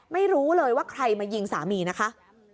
ไม่รู้เลยว่าใครมายิงสามีนะคะ